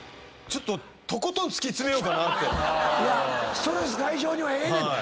ストレス解消にはええねん。